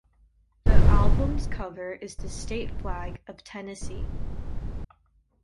The album's cover is the state flag of Tennessee.